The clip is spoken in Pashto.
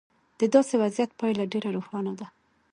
د داسې وضعیت پایله ډېره روښانه ده.